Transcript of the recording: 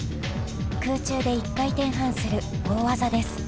空中で１回転半する大技です。